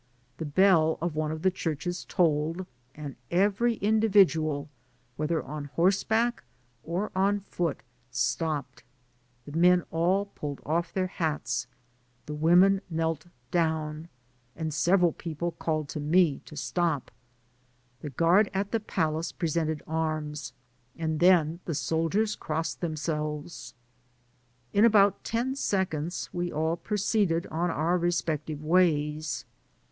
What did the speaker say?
The bell of one of the churches tolled, and every individual, whether on horseback or on foot, stopped ; the men all pulled off their hats, the women knelt down, and as I was cantering along several people called to me to stop. The guard at the palace presented arms, and then the soldiers crossed themselves; in about ten seconds we all proce^ed on our respective ways.